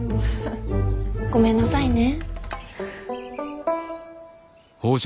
ごめんなさいね。